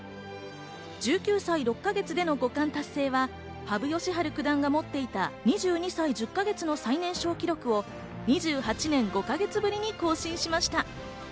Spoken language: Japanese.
１９才６か月での五冠達成は羽生善治九段の持っていた２２歳１０か月の最年少記録を２８年５か月ぶりに更新しました。